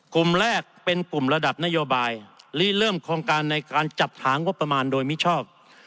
กลุ่มแรกเป็นกลุ่มระดับนโยบายลีเริ่มโครงการในการจัดหางบประมาณโดยมิชอบ